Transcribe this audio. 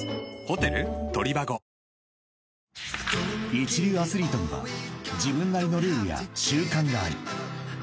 ［一流アスリートには自分なりのルールや習慣がある］